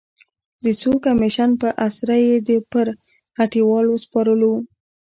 د څو کمېشن په اسره یې پر هټیوال وسپارلو.